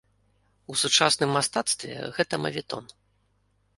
У сучасным мастацтве гэта мавэтон.